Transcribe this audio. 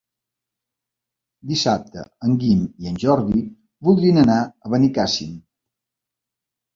Dissabte en Guim i en Jordi voldrien anar a Benicàssim.